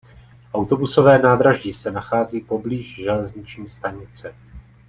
Autobusové nádraží se nachází poblíž železniční stanice.